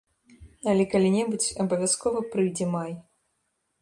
Але калі-небудзь абавязкова прыйдзе май.